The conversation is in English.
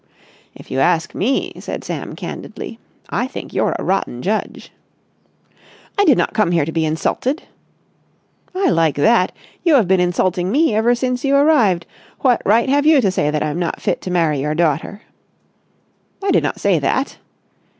"If you ask me," said Sam candidly, "I think you're a rotten judge." "I did not come here to be insulted!" "I like that! You have been insulting me ever since you arrived. What right have you to say that I'm not fit to marry your daughter?" "I did not say that."